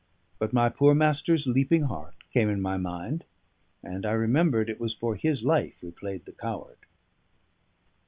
But my poor master's leaping heart came in my mind, and I remembered it was for his life we played the coward.